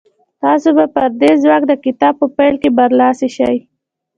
تاسې به پر دې ځواک د کتاب په پيل کې برلاسي شئ.